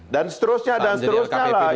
dan seterusnya dan seterusnya lah